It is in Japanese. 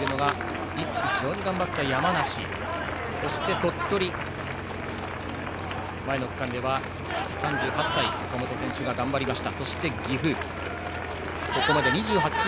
鳥取、前の区間では３８歳、岡本選手が頑張りました。